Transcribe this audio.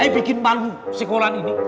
bikin malu sekolah ini